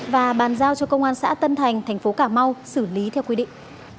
và bàn giao cho công an xã tân thành tp cà mau xử lý theo quy định